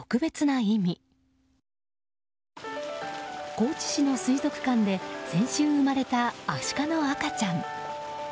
高知市の水族館で先週生まれたアシカの赤ちゃん。